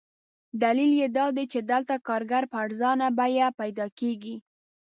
دلیل یې دادی چې دلته کارګر په ارزانه بیه پیدا کېږي.